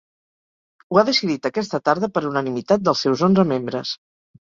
Ho ha decidit aquesta tarda per unanimitat dels seus onze membres.